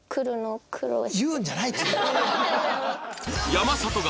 山里が